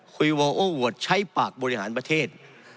วิวโอ้อวดใช้ปากบริหารประเทศ